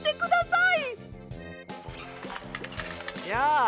やあ！